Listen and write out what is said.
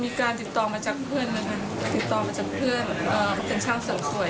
มีการติดต่อมาจากเพื่อนเหมือนกันติดต่อมาจากเพื่อนเขาเป็นช่างเสริมสวย